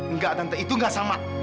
nggak tante itu gak sama